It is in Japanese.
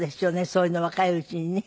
そういうの若いうちにね。